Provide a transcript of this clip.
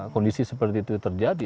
kondisi seperti itu terjadi